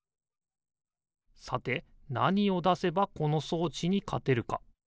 さてなにをだせばこのそうちにかてるか。